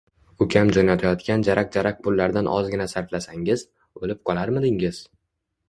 Ukam jo`natayotgan jaraq-jaraq pullardan ozgina sarflasangiz, o`lib qolarmidingiz